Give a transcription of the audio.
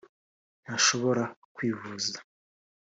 ntashobora kwivuza